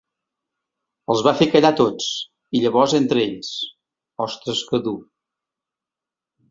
Els va fer callar tots, i llavors entre ells: Ostres, que dur.